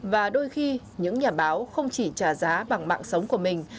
và đôi khi những nhà báo không chỉ trả giá bằng mạng sống của mình